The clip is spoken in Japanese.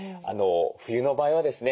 冬の場合はですね